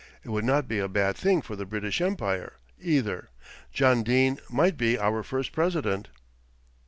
It would not be a bad thing for the British Empire, either. John Dene might be our first president."